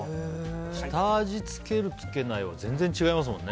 下味つけるつけないは全然違いますもんね。